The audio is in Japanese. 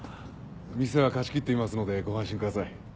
店は貸し切っていますのでご安心ください。